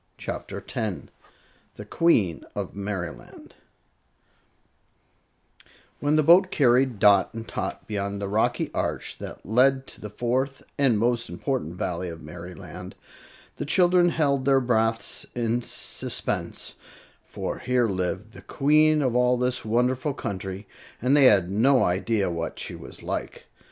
CHAPTER 10 The Queen of Merryland When the boat carried Dot and Tot beyond the rocky arch that led to the Fourth and most important Valley of Merry land, the children held their breaths in suspense; for here lived the Queen of all this wonderful country, and they had no idea what she was like.